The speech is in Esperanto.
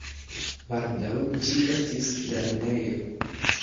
Baldaŭ ĝi estis lernejo.